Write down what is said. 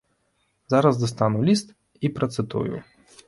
Зараз дастану ліст і працытую.